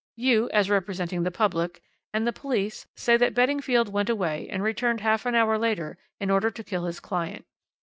You, as representing the public, and the police say that Beddingfield went away and returned half an hour later in order to kill his client.